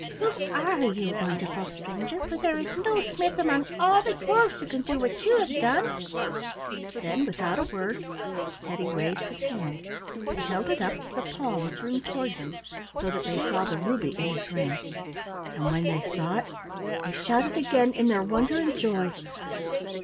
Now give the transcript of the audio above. Who are you, wonderful stranger, for there is no smith among all the dwarfs who can do what you have done?" Then without a word Teddy raised his hand, and held it up with the palm turned toward them so that they saw the ruby in his ring, and when they saw it they shouted again in their wonder and joy.